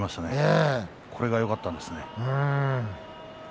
これがよかったんですね。